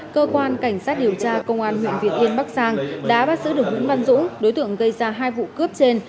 cơ quan cảnh sát điều tra công an huyện việt yên bắc giang đã bắt giữ được nguyễn văn dũng đối tượng gây ra hai vụ cướp trên